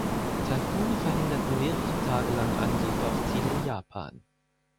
Taifune verhinderten mehrere Tage lang Angriffe auf Ziele in Japan.